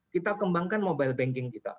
kita kembangkan mobile banking kita